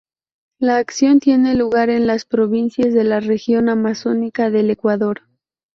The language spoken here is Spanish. La acción tiene lugar en las provincias de la Región amazónica del Ecuador.